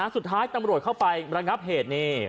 สุดท้ายตำรวจเข้าไประงับเหตุนี่